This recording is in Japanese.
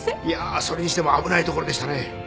いやそれにしても危ないところでしたね。